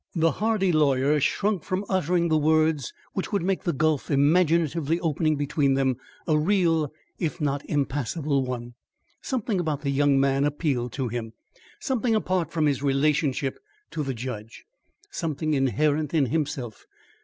The hardy lawyer shrunk from uttering the words which would make the gulf imaginatively opening between them a real, if not impassable, one. Something about the young man appealed to him something apart from his relationship to the judge something inherent in himself.